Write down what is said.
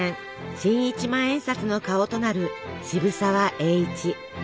新１万円札の顔となる渋沢栄一。